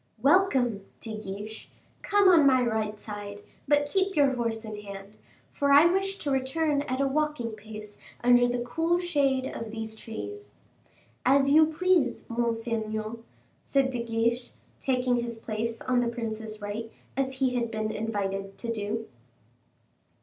"Welcome, De Guiche, come on my right side, but keep your horse in hand, for I wish to return at a walking pace under the cool shade of these trees." "As you please, monseigneur," said De Guiche, taking his place on the prince's right as he had been invited to do.